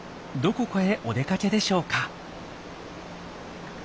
どこかへお出かけでしょうか？